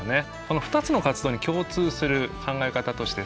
この２つの活動に共通する考え方としてですね